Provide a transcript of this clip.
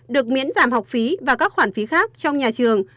được miễn giảm học phí và các khoản phí khác trong nhà trường